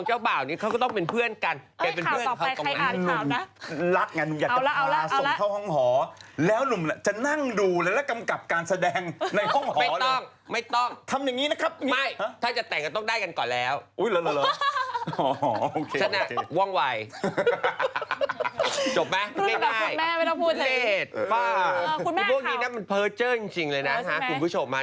อ้าวประสัยว่ามีคำกูแหมะ